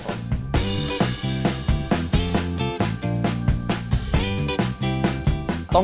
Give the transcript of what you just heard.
เข้ากลิ่นจู้